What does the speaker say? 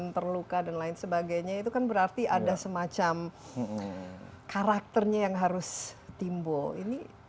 terluka dan lain sebagainya itu kan berarti ada semacam karakternya yang harus timbul ini